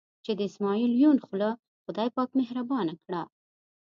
چې د اسمعیل یون خوله خدای پاک مهربانه کړه.